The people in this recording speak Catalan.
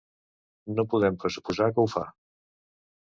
No podem pressuposar que ho far